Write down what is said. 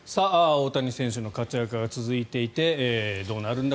大谷選手の活躍が続いていてどうなるんだ